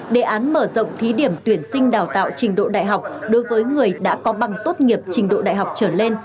đề án mở rộng thí điểm tuyển sinh đào tạo trình độ đại học đối với người đã có bằng tốt nghiệp trình độ đại học trở lên